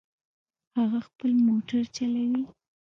هغه خپل موټر چلوي